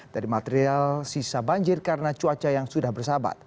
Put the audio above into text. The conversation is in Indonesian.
dari material sisa banjir karena cuaca yang sudah bersahabat